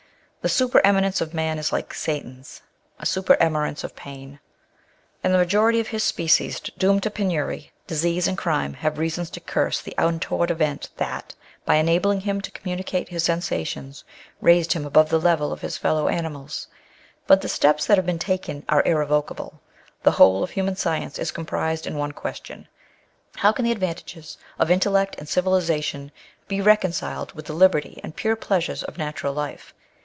Tbe Bupereminence of man is like Satan's, a supereminence of pain ; and tbe majority of bis species, doomed to penury, disease, and crime, bave reason to curse tbe imtoward event that, by enabling bim to communicate bis sensations, raised bim above tbe level of bis fellow animals. But tbe steps that bave been taken are irrevocable. Tbe wbole of buman science is comprised in one question â How can tbe advan tages of intellect and civilisation be reconciled witb tbe liberty and pure pleasures of natural life!